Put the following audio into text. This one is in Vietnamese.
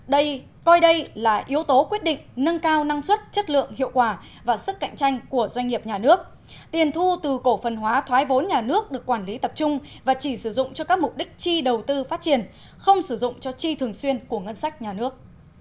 đây coi đây là yếu tố quyết định nâng cao năng suất chất lượng hiệu quả và sức cạnh tranh của doanh nghiệp nhà nước tiền thu từ cổ phần hóa thoái vốn nhà nước được quản lý tập trung và chỉ sử dụng cho các mục đích chi đầu tư phát triển không sử dụng cho chi thường xuyên của ngân sách nhà nước